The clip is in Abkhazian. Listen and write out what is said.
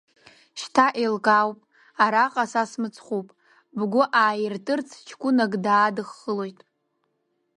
Шьҭа еилкаауп, араҟа са смыцхәуп, бгәы ааиртырц ҷкәынак даадыххылоит…